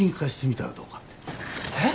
えっ？